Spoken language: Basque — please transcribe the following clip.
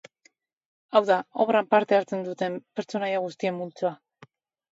Hau da, obran parte hartzen duten pertsonaia guztien multzoa.